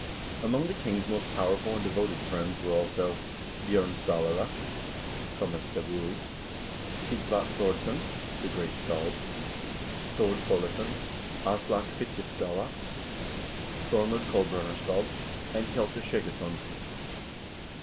Among the king's most powerful and devoted friends were also : Bj0rn Stallare {comes stabuli), Sighvat Thordsson the great scald, Thord Foleson, Aslak Fitjaskalle, Thormod Kolbrunarskald, and Hjalte Skjeggesson.